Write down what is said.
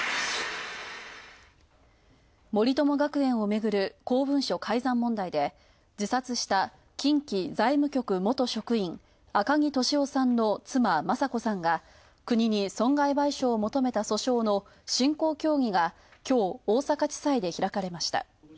森友学園をめぐる公文書改ざん問題で、自殺した、近畿財務局元職員、赤木俊夫さんの妻、雅子さんが国に損害賠償を求めた訴訟の進行協議がきょう大阪地裁で開かれました。